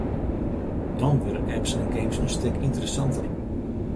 Dan wurde apps en games in stik ynteressanter.